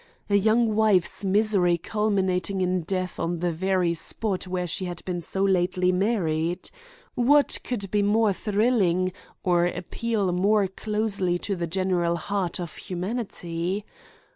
A young wife's misery culminating in death on the very spot where she had been so lately married! What could be more thrilling, or appeal more closely to the general heart of humanity?